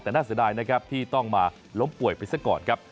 แต่น่าเสียดายนะครับที่ต้องมาล้มป่วยไปซะก่อนครับ